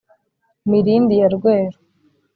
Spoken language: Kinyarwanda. mirindi ya rweru,